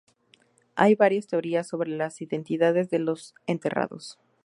Hay varias teorías sobre las identidades de los enterrados.